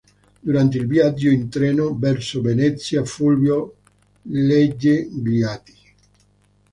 Durante il viaggio in treno verso Venezia Fulvio legge gli atti.